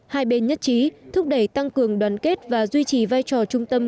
hai bên nhất trí thúc đẩy tăng cường đoàn kết và duy trì vai trò trung tâm